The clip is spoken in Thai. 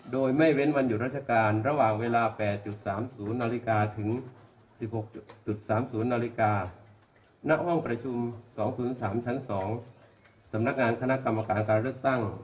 โดยไม่เว้นวันหยุดราชการระหว่างเวลา๘๓๐นาฬิกาถึง๑๖๓๐นาฬิกาณห้องประชุม๒๐๓ชั้น๒สำนักงานคณะกรรมการการเลือกตั้ง